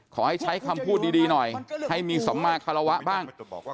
ขอให้ใช้คำพูดดีหน่อยให้มีสัมมาคารวะบ้าง